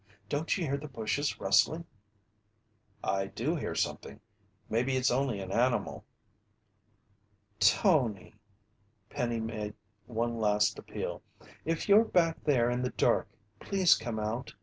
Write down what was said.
Don't you hear the bushes rustling?" "I do hear something. Maybe it's only an animal." "Tony," Penny made one last appeal, "if you're back there in the dark, please come out.